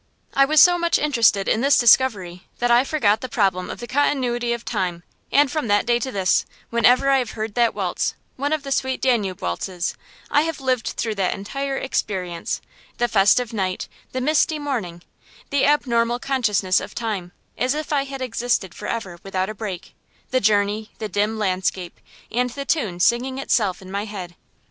I was so much interested in this discovery that I forgot the problem of the Continuity of Time; and from that day to this, whenever I have heard that waltz, one of the sweet Danube waltzes, I have lived through that entire experience; the festive night, the misty morning, the abnormal consciousness of time, as if I had existed forever, without a break; the journey, the dim landscape, and the tune singing itself in my head.